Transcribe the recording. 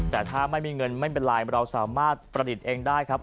แต่ถ้าไม่มีเงินไม่เป็นไรเราสามารถประดิษฐ์เองได้ครับ